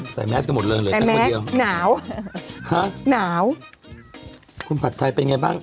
ใส่แมสก์กันหมดเลยเลยแมสก์หนาวห้ะหนาวคุณผัดไทยเป็นไงบ้าง